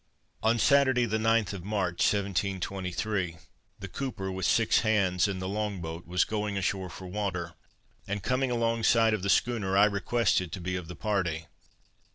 On Saturday the 9th of March 1723, the cooper, with six hands, in the long boat, was going ashore for water; and coming alongside of the schooner, I requested to be of the party.